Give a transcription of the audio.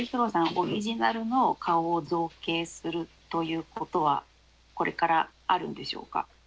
オリジナルの顔を造形するということはこれからあるんでしょうか？